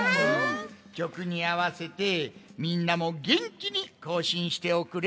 きょくにあわせてみんなもげんきにこうしんしておくれ！